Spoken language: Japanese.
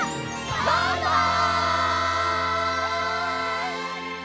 バイバイ！